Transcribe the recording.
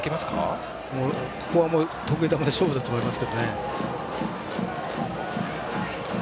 得意球で勝負だと思います。